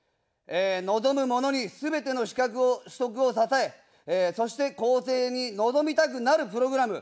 望む者に、すべての資格を、取得を支え、そして更生に臨みたくなるプログラム。